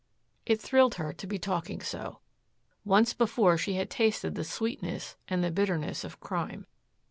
It thrilled her to be talking so. Once before she had tasted the sweetness and the bitterness of crime.